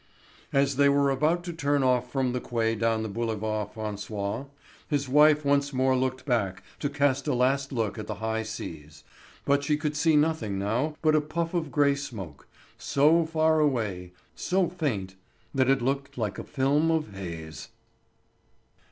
As they were about to turn off from the quay down the Boulevard François, his wife once more looked back to cast a last look at the high seas, but she could see nothing now but a puff of gray smoke, so far away, so faint that it looked like a film of haze.